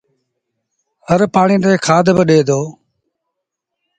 هر پآڻيٚ تي کآڌ با ڏي دو